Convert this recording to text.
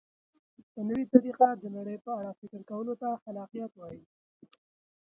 په نوې طریقه د نړۍ په اړه فکر کولو ته خلاقیت وایي.